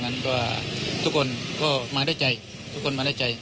เพราะว่าทุกคนก็มาได้ใจ